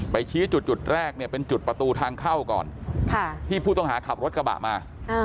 ชี้จุดจุดแรกเนี่ยเป็นจุดประตูทางเข้าก่อนที่ผู้ต้องหาขับรถกระบะมา